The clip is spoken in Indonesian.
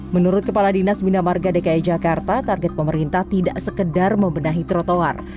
menurut kepala dinas bina marga dki jakarta target pemerintah tidak sekedar membenahi trotoar